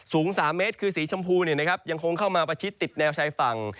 สูง๓เมตรคือสีชมพูยังคงเข้ามาประชิดติดแนวชายฝั่ง